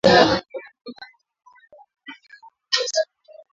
katika hafla iliyofanyika Ikulu ya Nairobi iliyoandaliwa na Rais Kenyatta